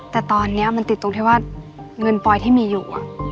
แต่ตอนนี้มันติดตรงที่ว่าเงินปลอยที่มีอยู่